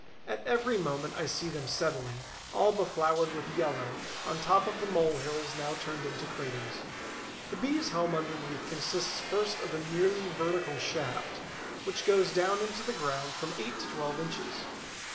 At every moment I see them settling, all befloured with yellow, on top of the mole hills now turned into craters. The Bee's home underneath consists first of a nearly vertical shaft, which goes down into the ground from eight to twelve inches.